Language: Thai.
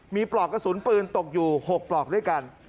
มีปลอกกระสุนปืนตกอยู่๖ปลอกด้วยกัน